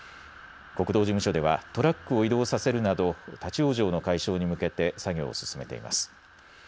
国道事務所ではトラックを移動させるなど立往生の解消に向けて作業を進めています。